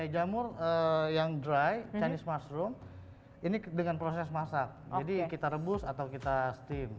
jamur yang dry chinese mushroom ini dengan proses masak jadi kita rebus atau kita steam